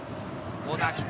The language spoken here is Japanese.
コーナーキック。